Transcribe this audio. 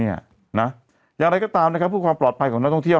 อย่างไรก็ตามนะครับเพื่อความปลอดภัยของนักท่องเที่ยว